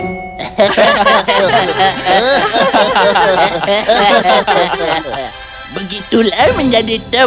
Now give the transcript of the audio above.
begitulah menjadi teman